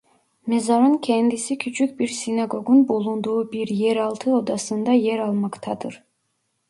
Mezarın kendisi küçük bir sinagogun bulunduğu bir yeraltı odasında yer almaktadır.